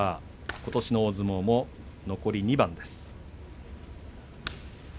ことしの大相撲も残り２番です。